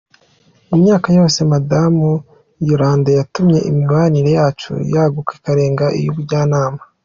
Mu myaka yose, Madamu Yolande yatumye imibanire yacu yaguka ikarenga iy’ubujyanama.